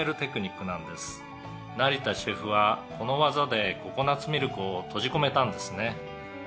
「成田シェフはこの技でココナッツミルクを閉じ込めたんですね」